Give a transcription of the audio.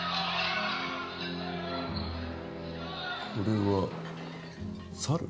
これは猿？